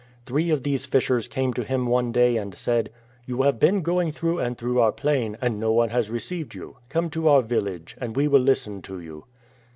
Three of these fishers came to him one day and said, " You have been going through and through our plain, and no one has re ceived you. Come to our village, and we will listen to you."